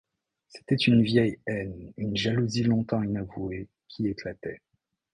C’était une vieille haine, une jalousie longtemps inavouée, qui éclatait.